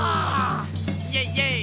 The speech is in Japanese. イエイイエイ！